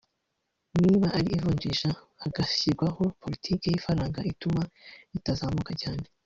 niba ari ivunjisha hagashyirwaho politiki y’ifaranga ituma ritazamuka cyane